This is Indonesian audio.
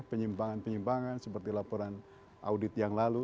penyimpangan penyimpangan seperti laporan audit yang lalu